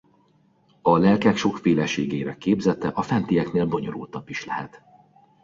A lelkek sokféleségének képzete a fentieknél bonyolultabb is lehet.